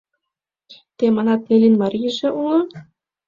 — Тый манат, Неллин марийже уло?